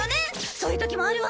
そういうときもあるわ。